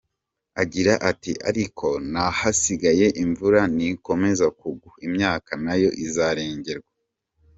Agira ati “Ariko n’ahasigaye imvura nikomeza kugwa, imyaka nayo izarengerwa.